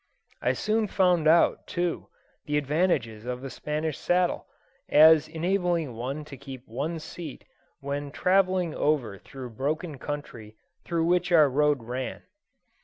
I soon found out, too, the advantages of the Spanish saddle, as enabling one to keep one's seat when travelling over thorough broken country through which our road ran.